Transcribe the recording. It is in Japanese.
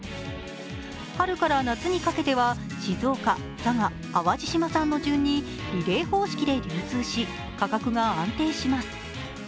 春から夏にかけては静岡、佐賀、淡路島産の順にリレー方式で流通し、価格が安定します。